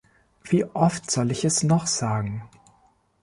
Wie oft soll ich es noch sagen?